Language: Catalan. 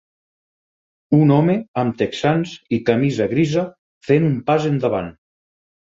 Un home amb texans i camisa grisa fent un pas endavant